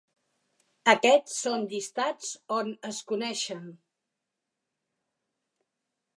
Aquests són llistats on es coneixen.